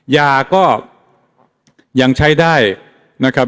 ยาก็ยังใช้ได้นะครับ